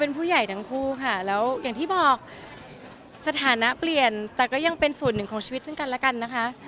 เป็นผู้ใหญ่ทั้งคู่ค่ะแล้วอย่างที่บอกสถานะเปลี่ยนแต่ก็ยังเป็นส่วนหนึ่งของชีวิตซึ่งกันแล้วกันนะคะ